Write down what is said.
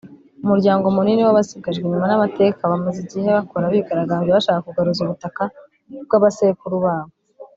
umuryango munini w’abasigajwe inyuma n’amateka bamaze igihe bakora bigaragambya bashaka kugaruza ubutaka bw’abasekuru babo